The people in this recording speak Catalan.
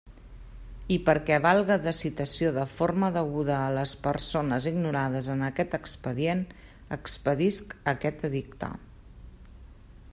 I perquè valga de citació de forma deguda a les persones ignorades en aquest expedient, expedisc aquest edicte.